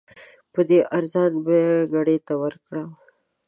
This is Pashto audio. په دې ارزان بیه ګړي څه وکړم؟